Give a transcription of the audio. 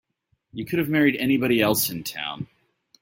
You could have married anybody else in town.